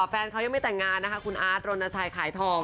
แฟนเขายังไม่แต่งงานนะคะคุณอาร์ตรณชัยขายทอง